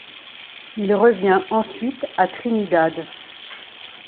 Il revient ensuite à Trinidad.